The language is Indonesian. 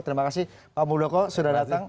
terima kasih pak muldoko sudah datang